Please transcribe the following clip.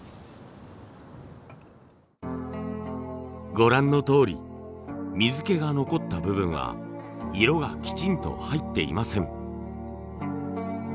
ご覧のとおり水気が残った部分は色がきちんと入っていません。